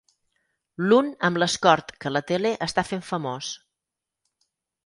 L'un amb l'Escort que la tele està fent famós.